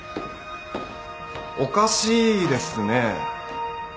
おかしいですね。